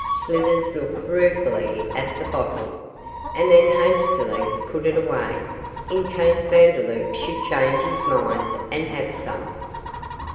Slivers looked ruefully at the bottle, and then hastily put it away, in case Vandeloup should change his mind and have some.